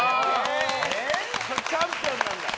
これチャンピオンなんだ。